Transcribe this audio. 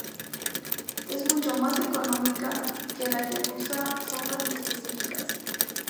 Es mucho más económica que la que usa sondas específicas.